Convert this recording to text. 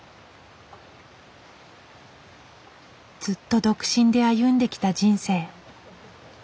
ずっと独身で歩んできた人生。